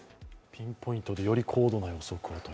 ピンポイントでより高度な予測と。